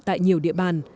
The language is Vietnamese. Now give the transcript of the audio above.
tại nhiều địa bàn